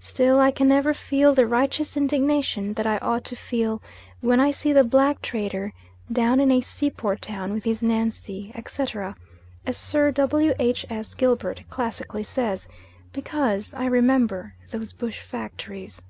Still I can never feel the righteous indignation that I ought to feel, when I see the black trader "down in a seaport town with his Nancy," etc., as Sir W. H. S. Gilbert classically says, because I remember those bush factories.